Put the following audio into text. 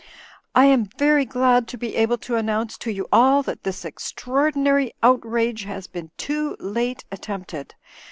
"I am very glad to be able to announce to you all that this extraordinary outrage has been too late at tempted.